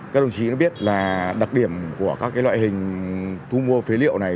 các đồng chí đã biết là đặc điểm của các loại hình thu mua phế liệu này